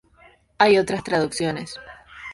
Hay otras traducciones.